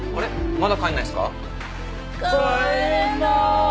まだ帰んないんですか？